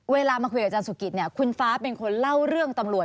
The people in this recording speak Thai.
เวลามาคุยกับอาจารย์สุกิตเนี่ยคุณฟ้าเป็นคนเล่าเรื่องตำรวจ